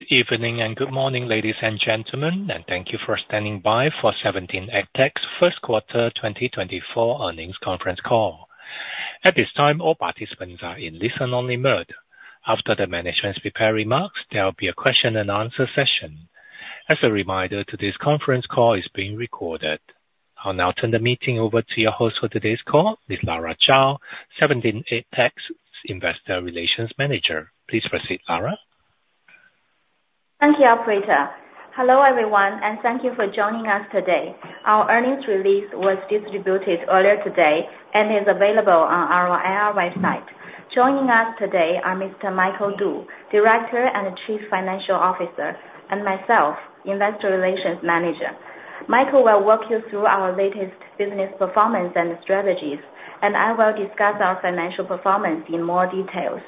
Good evening, and good morning, ladies and gentlemen, and thank you for standing by for 17EdTech's first quarter 2024 earnings conference call. At this time, all participants are in listen-only mode. After the management's prepared remarks, there will be a question and answer session. As a reminder, today's conference call is being recorded. I'll now turn the meeting over to your host for today's call, Miss Lara Zhao, 17EdTech's Investor Relations Manager. Please proceed, Lara. Thank you, operator. Hello, everyone, and thank you for joining us today. Our earnings release was distributed earlier today and is available on our IR website. Joining us today are Mr. Michael Du, Director and Chief Financial Officer, and myself, Investor Relations Manager. Michael will walk you through our latest business performance and strategies, and I will discuss our financial performance in more details.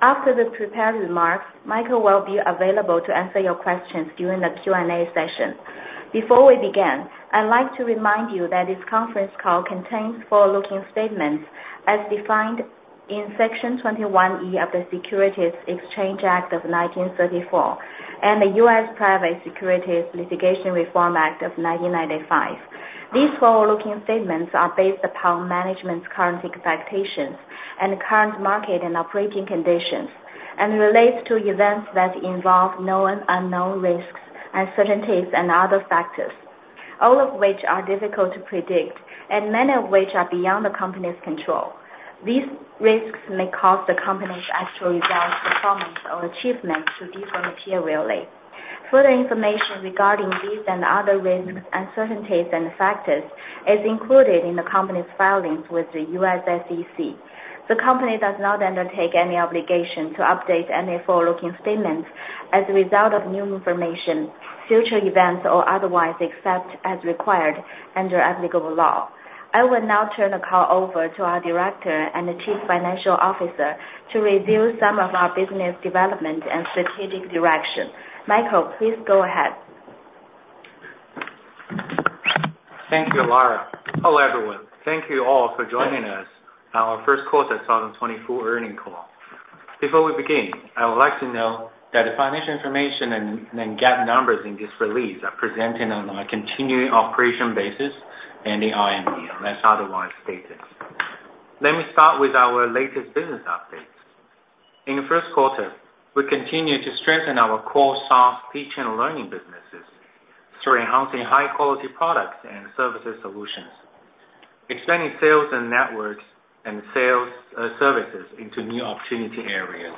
After the prepared remarks, Michael will be available to answer your questions during the Q&A session. Before we begin, I'd like to remind you that this conference call contains forward-looking statements as defined in Section 21E of the Securities Exchange Act of 1934, and the U.S. Private Securities Litigation Reform Act of 1995. These forward-looking statements are based upon management's current expectations and current market and operating conditions, and relates to events that involve known and unknown risks, uncertainties, and other factors, all of which are difficult to predict and many of which are beyond the company's control. These risks may cause the company's actual results, performance, or achievement to differ materially. Further information regarding these and other risks, uncertainties, and factors is included in the company's filings with the U.S. SEC. The company does not undertake any obligation to update any forward-looking statements as a result of new information, future events, or otherwise, except as required under applicable law. I will now turn the call over to our Director and Chief Financial Officer to review some of our business development and strategic direction. Michael, please go ahead. Thank you, Lara. Hello, everyone. Thank you all for joining us on our first quarter 2024 earnings call. Before we begin, I would like to note that the financial information and GAAP numbers in this release are presented on a continuing operation basis and the RMB, unless otherwise stated. Let me start with our latest business updates. In the first quarter, we continued to strengthen our core SaaS teaching and learning businesses through enhancing high-quality products and services solutions, extending sales and networks and sales services into new opportunity areas.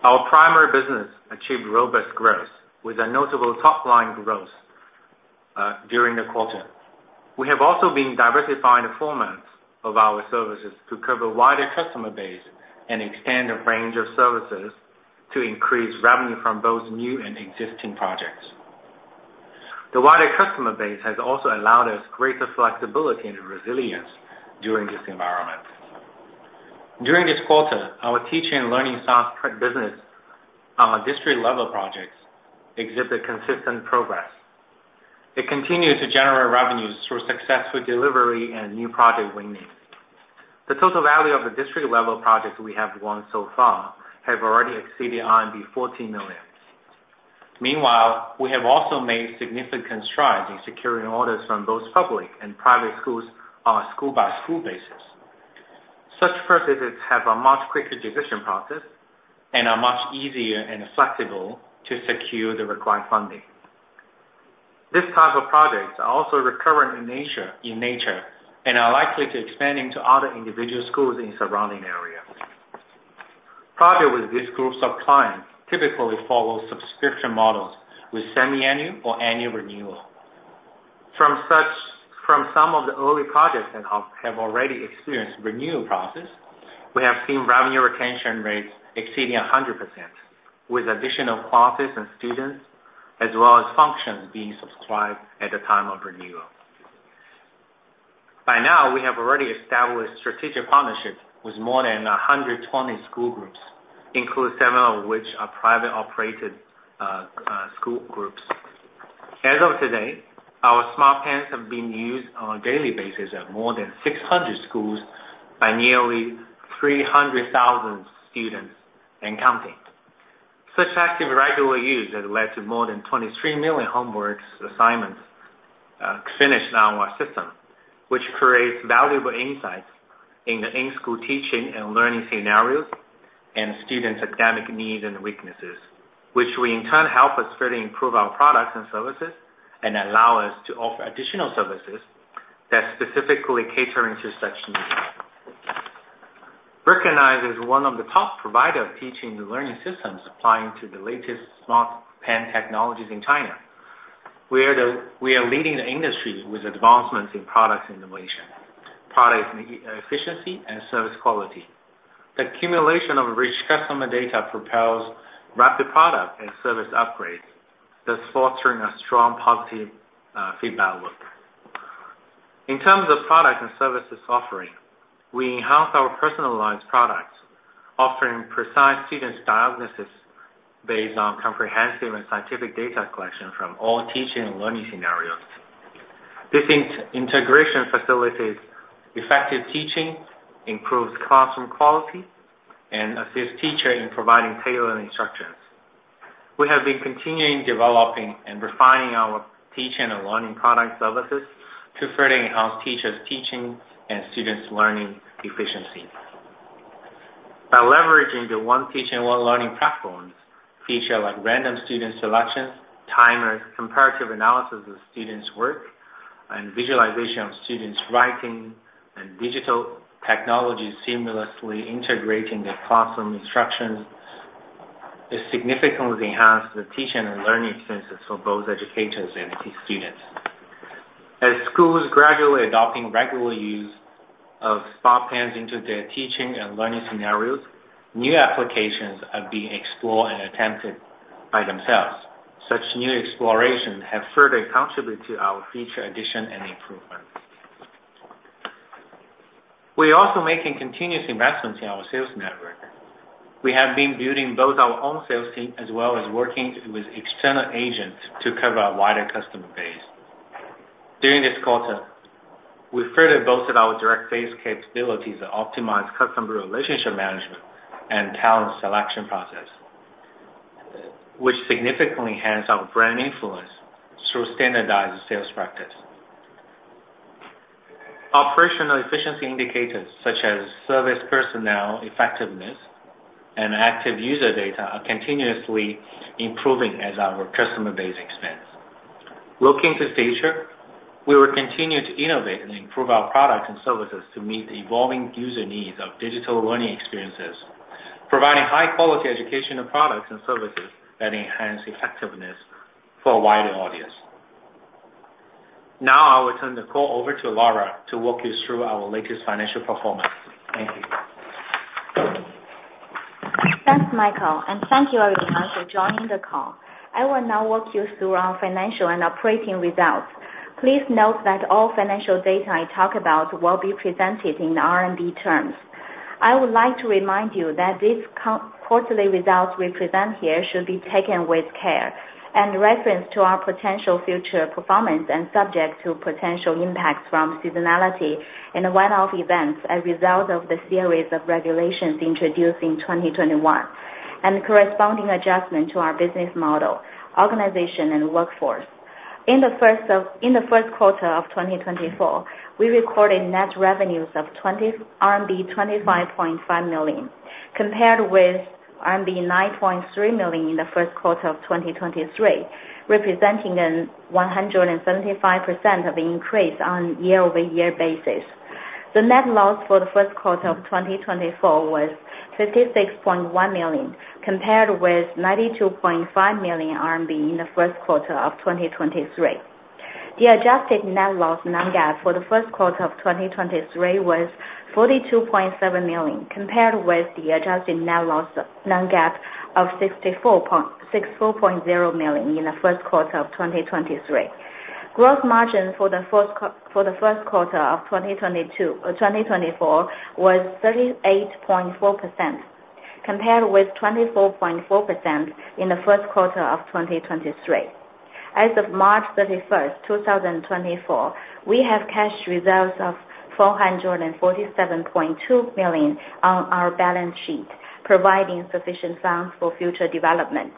Our primary business achieved robust growth with a notable top-line growth during the quarter. We have also been diversifying the formats of our services to cover a wider customer base and expand the range of services to increase revenue from both new and existing projects. The wider customer base has also allowed us greater flexibility and resilience during this environment. During this quarter, our teaching and learning SaaS product business on our district-level projects exhibit consistent progress. It continued to generate revenues through successful delivery and new project winning. The total value of the district-level projects we have won so far have already exceeded RMB 40 million. Meanwhile, we have also made significant strides in securing orders from both public and private schools on a school-by-school basis. Such purchases have a much quicker decision process and are much easier and flexible to secure the required funding. This type of projects are also recurrent in nature, in nature, and are likely to expand into other individual schools in surrounding areas. Projects with these groups of clients typically follow subscription models with semiannual or annual renewal. From such, from some of the early projects that have already experienced renewal process, we have seen revenue retention rates exceeding 100%, with additional classes and students, as well as functions being subscribed at the time of renewal. By now, we have already established strategic partnerships with more than 120 school groups, including several of which are private-operated school groups. As of today, our smart pens have been used on a daily basis at more than 600 schools by nearly 300,000 students and counting. Such active regular use has led to more than 23 million homework assignments finished on our system, which creates valuable insights in the in-school teaching and learning scenarios and students' academic needs and weaknesses, which will in turn help us further improve our products and services and allow us to offer additional services that specifically catering to such needs. Recognizing one of the top providers of teaching and learning systems, applying to the latest smart pen technologies in China, we are leading the industry with advancements in product innovation, product efficiency, and service quality. The accumulation of rich customer data propels rapid product and service upgrades, thus fostering a strong, positive feedback loop. In terms of product and services offering, we enhanced our personalized products, offering precise students diagnosis based on comprehensive and scientific data collection from all teaching and learning scenarios... This integration facilitates effective teaching, improves classroom quality, and assists teachers in providing tailored instructions. We have been continuously developing and refining our teaching and learning product services to further enhance teachers' teaching and students' learning efficiency. By leveraging the One Teaching, One Learning platform, features like random student selections, timer, comparative analysis of students' work, and visualization of students' writing and digital technology seamlessly integrating the classroom instructions, have significantly enhanced the teaching and learning experiences for both educators and students. As schools gradually adopt regular use of smart pens into their teaching and learning scenarios, new applications are being explored and attempted by themselves. Such new explorations have further contributed to our features addition and improvement. We are also making continuous investments in our sales network. We have been building both our own sales team, as well as working with external agents to cover a wider customer base. During this quarter, we further boasted our direct sales capabilities to optimize customer relationship management and talent selection process, which significantly enhance our brand influence through standardized sales practice. Operational efficiency indicators, such as service personnel effectiveness and active user data, are continuously improving as our customer base expands. Looking to the future, we will continue to innovate and improve our products and services to meet the evolving user needs of digital learning experiences, providing high quality educational products and services that enhance effectiveness for a wider audience. Now, I will turn the call over to Lara to walk you through our latest financial performance. Thank you. Thanks, Michael, and thank you everyone for joining the call. I will now walk you through our financial and operating results. Please note that all financial data I talk about will be presented in RMB terms. I would like to remind you that these quarterly results we present here should be taken with care, and reference to our potential future performance and subject to potential impacts from seasonality and one-off events as a result of the series of regulations introduced in 2021, and the corresponding adjustment to our business model, organization, and workforce. In the first quarter of 2024, we recorded net revenues of RMB 25.5 million, compared with RMB 9.3 million in the first quarter of 2023, representing a 175% increase on a year-over-year basis. The net loss for the first quarter of 2024 was 56.1 million, compared with 92.5 million RMB in the first quarter of 2023. The adjusted net loss non-GAAP for the first quarter of 2023 was 42.7 million, compared with the adjusted net loss non-GAAP of 64.0 million in the first quarter of 2023. Gross margin for the first quarter of 2024 was 38.4%, compared with 24.4% in the first quarter of 2023. As of March 31, 2024, we have cash reserves of 447.2 million on our balance sheet, providing sufficient funds for future development.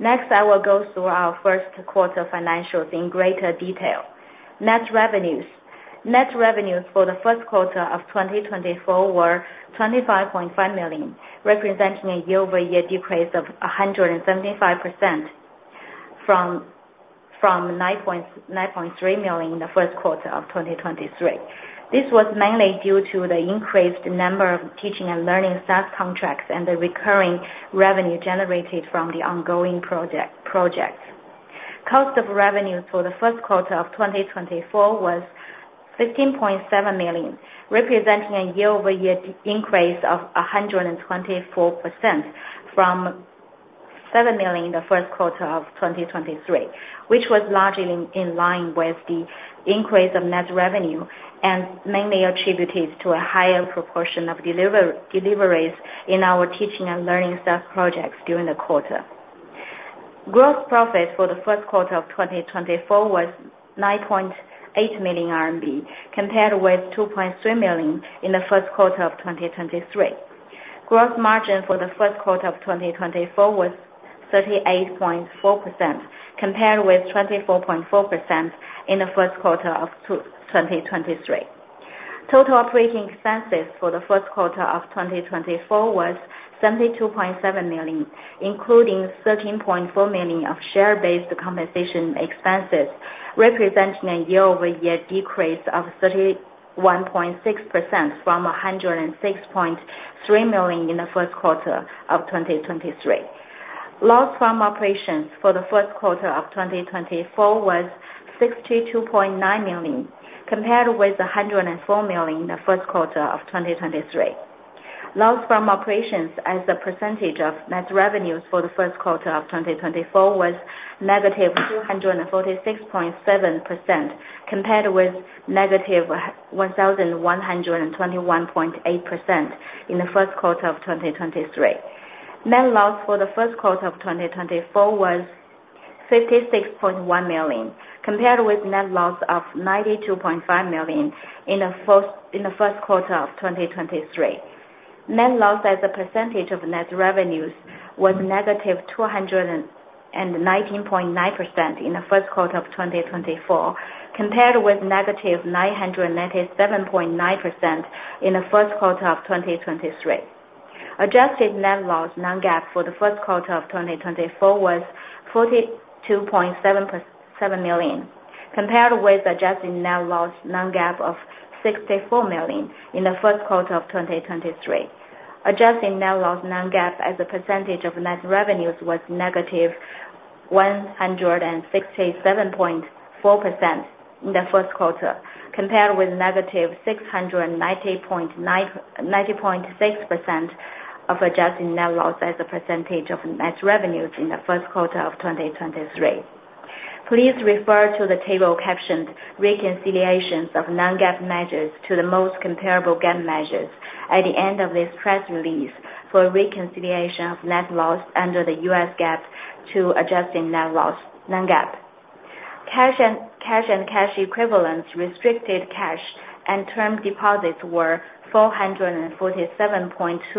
Next, I will go through our first quarter financials in greater detail. Net revenues. Net revenues for the first quarter of 2024 were 25.5 million, representing a year-over-year decrease of 175% from 9.3 million in the first quarter of 2023. This was mainly due to the increased number of teaching and learning SaaS contracts and the recurring revenue generated from the ongoing project. Cost of revenue for the first quarter of 2024 was 15.7 million, representing a year-over-year increase of 124% from 7 million in the first quarter of 2023, which was largely in line with the increase of net revenue, and mainly attributed to a higher proportion of deliveries in our teaching and learning SaaS projects during the quarter. Gross profit for the first quarter of 2024 was 9.8 million RMB, compared with 2.3 million in the first quarter of 2023. Gross margin for the first quarter of 2024 was 38.4%, compared with 24.4% in the first quarter of 2023. Total operating expenses for the first quarter of 2024 was 72.7 million, including 13.4 million of share-based compensation expenses, representing a year-over-year decrease of 31.6% from 106.3 million in the first quarter of 2023. Loss from operations for the first quarter of 2024 was 62.9 million, compared with 104 million in the first quarter of 2023. Loss from operations as a percentage of net revenues for the first quarter of 2024 was -246.7%, compared with -1,121.8% in the first quarter of 2023. Net loss for the first quarter of 2024 was 56.1 million, compared with net loss of 92.5 million in the first quarter of 2023. Net loss as a percentage of net revenues was -219.9% in the first quarter of 2024, compared with -997.9% in the first quarter of 2023. Adjusted net loss non-GAAP for the first quarter of 2024 was 42.7 million, compared with adjusted net loss non-GAAP of 64 million in the first quarter of 2023. Adjusted net loss non-GAAP as a percentage of net revenues was -167.4% in the first quarter, compared with -690.9% of adjusted net loss as a percentage of net revenues in the first quarter of 2023. Please refer to the table captioned 'Reconciliations of non-GAAP measures to the most comparable GAAP measures' at the end of this press release for a reconciliation of net loss under the U.S. GAAP to adjusted net loss non-GAAP. Cash and cash equivalents, restricted cash and term deposits were 447.2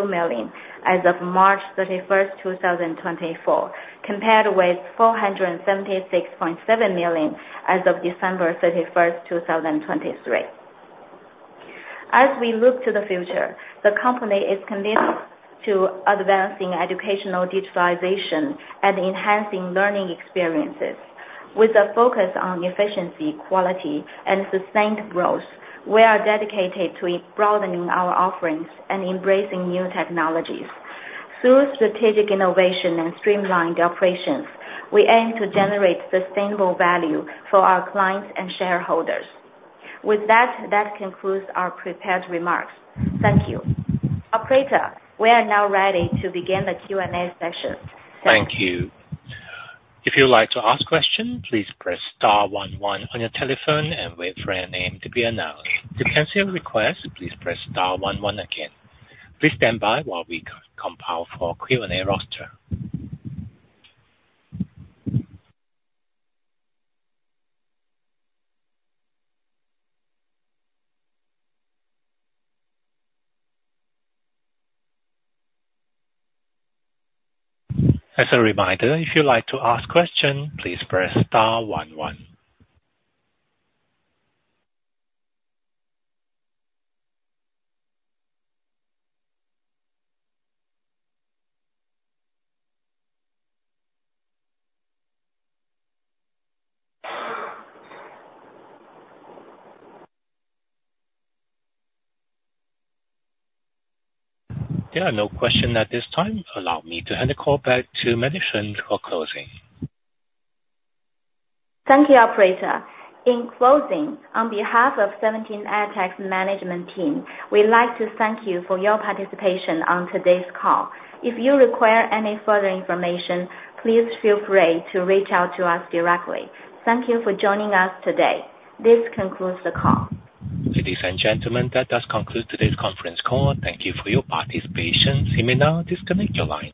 million as of March 31, 2024, compared with 476.7 million as of December 31, 2023. As we look to the future, the company is committed to advancing educational digitalization and enhancing learning experiences. With a focus on efficiency, quality and sustained growth, we are dedicated to broadening our offerings and embracing new technologies. Through strategic innovation and streamlined operations, we aim to generate sustainable value for our clients and shareholders. With that, that concludes our prepared remarks. Thank you. Operator, we are now ready to begin the Q&A session. Thank you. If you would like to ask question, please press star one one on your telephone and wait for your name to be announced. To cancel your request, please press star one one again. Please stand by while we compile for Q&A roster. As a reminder, if you'd like to ask question, please press star one one. There are no question at this time. Allow me to hand the call back to management for closing. Thank you, Operator. In closing, on behalf of 17EdTech's management team, we'd like to thank you for your participation on today's call. If you require any further information, please feel free to reach out to us directly. Thank you for joining us today. This concludes the call. Ladies and gentlemen, that does conclude today's conference call. Thank you for your participation. You may now disconnect your line.